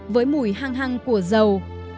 với mùi hăng hăng của dầu